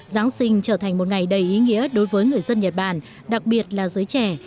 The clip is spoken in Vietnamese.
giáng sinh trở thành một ngày đầy ý nghĩa đối với người dân nhật bản đặc biệt là giới trẻ